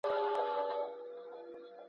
انا سمدستي سلام وگرځاوه او قران یې ښکل کړ.